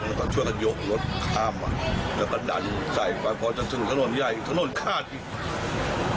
และก็ช่วยเขายกรถข้ามอ่ะแล้วก็ดันใจพอจนจึงทะโน่นไยทะโน่นคราดอีก